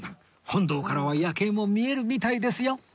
本堂からは夜景も見えるみたいですよ